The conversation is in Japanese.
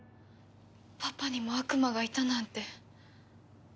パパにも悪魔がいたなんて。